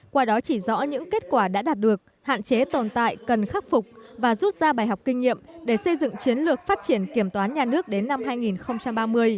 qua đó chỉ rõ những kết quả đã đạt được hạn chế tồn tại cần khắc phục và rút ra bài học kinh nghiệm để xây dựng chiến lược phát triển kiểm toán nhà nước đến năm hai nghìn ba mươi